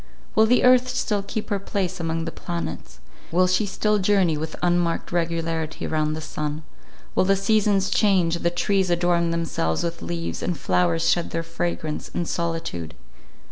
Will the earth still keep her place among the planets; will she still journey with unmarked regularity round the sun; will the seasons change, the trees adorn themselves with leaves, and flowers shed their fragrance, in solitude?